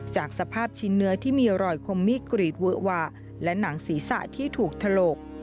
จากสภาพชิ้นเนื้อที่มีรอยคมมีดกรีดเวอะวะและหนังศีรษะที่ถูกถลก